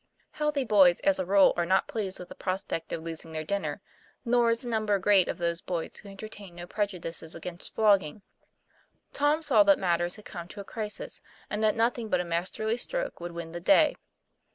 " Healthy boys as a rule are not pleased with the prospect of losing their dinner; nor is the number great of those boys who entertain no prejudices against flogging. Tom saw that matters had come to a crisis; and that nothing but a masterly stroke would win the day.